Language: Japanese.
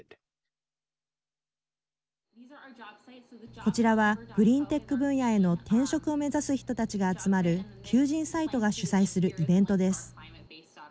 こちらはグリーンテック分野への転職を目指す人たちが集まる求人サイトが主催するイベントです。